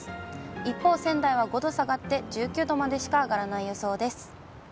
一方、仙台は５度下がって１９度までしか上がらない予想です。